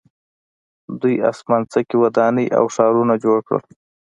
دوی اسمان څکې ودانۍ او ښارونه جوړ کړل.